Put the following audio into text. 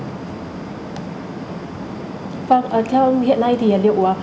theo ông hiện nay thì liệu